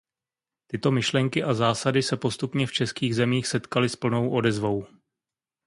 Tyto myšlenky a zásady se postupně v českých zemích setkaly s plnou odezvou.